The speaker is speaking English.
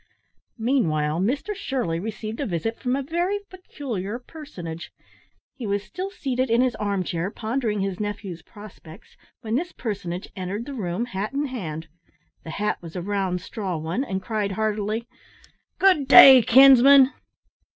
Meanwhile Mr Shirley received a visit from a very peculiar personage. He was still seated in his arm chair pondering his nephew's prospects when this personage entered the room, hat in hand the hat was a round straw one and cried heartily, "Good day, kinsman."